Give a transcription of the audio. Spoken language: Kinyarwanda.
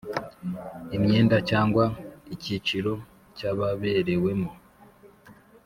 Imyenda Cyangwa Icyiciro Cy Ababerewemo